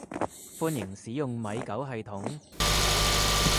歡迎使用米狗系統